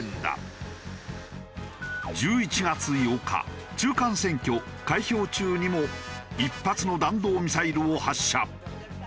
１１月８日中間選挙開票中にも１発の弾道ミサイルを発射。